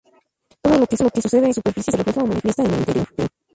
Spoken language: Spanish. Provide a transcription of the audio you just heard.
Todo lo que sucede en esa superficie, se refleja o manifiesta en el interior.